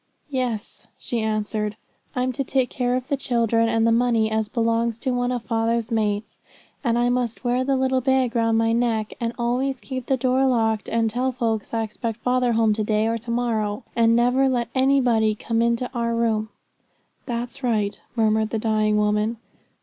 'Yes,' she answered. 'I'm to take care of the children, and the money as belongs to one of father's mates; and I must wear the little bag round my neck, and always keep the door locked, and tell folks I expect father home to day or to morrow, and never let nobody come into our room.' 'That's right,' murmured the dying woman.